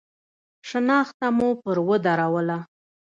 شنخته مو پر ودروله.